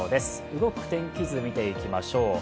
動く天気図を見ていきましょう。